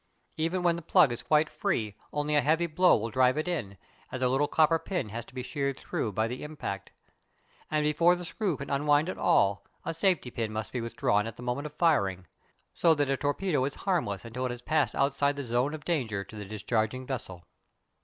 Even when the plug is quite free only a heavy blow will drive it in, as a little copper pin has to be sheared through by the impact. And before the screw can unwind at all, a safety pin must be withdrawn at the moment of firing. So that a torpedo is harmless until it has passed outside the zone of danger to the discharging vessel.